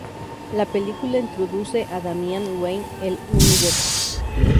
La película introduce a Damian Wayne al universo.